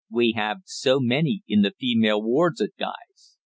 We have so many in the female wards at Guy's.